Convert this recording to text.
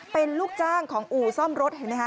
เป็นลูกจ้างของอู่ซ่อมรถเห็นไหมคะ